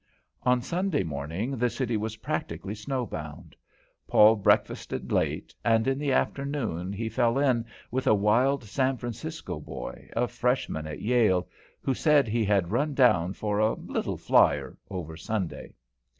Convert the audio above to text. On Sunday morning the city was practically snow bound. Paul breakfasted late, and in the afternoon he fell in with a wild San Francisco boy, a freshman at Yale, who said he had run down for a "little flyer" over Sunday.